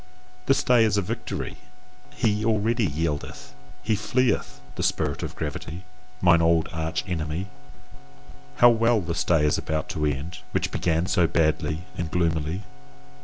This day is a victory: he already yieldeth, he fleeth, THE SPIRIT OF GRAVITY, mine old arch enemy! How well this day is about to end, which began so badly and gloomily!